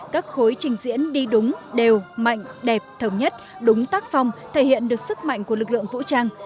các khối trình diễn đi đúng đều mạnh đẹp thống nhất đúng tác phong thể hiện được sức mạnh của lực lượng vũ trang